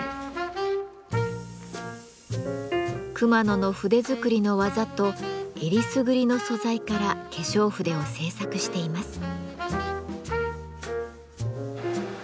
熊野の筆作りの技とえりすぐりの素材から化粧筆を製作しています。